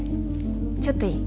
ちょっといい？